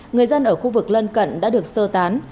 người dân ở khu vực lân cận đã được sơ tán